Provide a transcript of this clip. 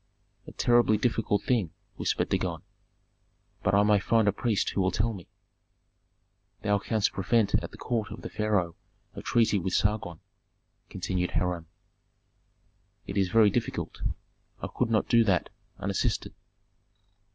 "A terribly difficult thing," whispered Dagon. "But I may find a priest who will tell me." "Thou canst prevent at the court of the pharaoh a treaty with Sargon," continued Hiram. "It is very difficult. I could not do that, unassisted."